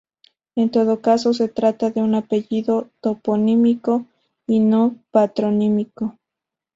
En todo caso se trata de un apellido toponímico y no patronímico.